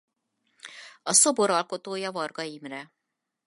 A szobor alkotója Varga Imre.